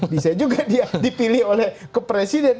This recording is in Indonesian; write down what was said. bisa juga dipilih oleh kepresiden